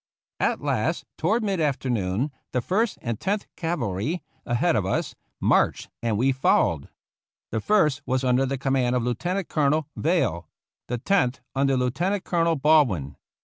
At last, toward mid afternoon, the First and 113 THE ROUGH RIDERS Tenth Cavalry, ahead of us, marched, and we followed. The First was under the command of Lieutenant Colonel Veile, the Tenth under Lieu tenant Colonel Baldwin.